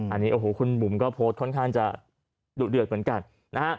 อันนี้โอ้โหคุณบุ๋มก็โพสต์ค่อนข้างจะดุเดือดเหมือนกันนะฮะ